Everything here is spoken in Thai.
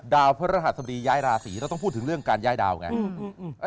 ดาวเพื่อรหัสสมดียายราศีเราต้องพูดถึงเรื่องการยายดาวไง